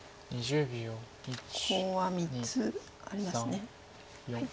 コウは３つあります。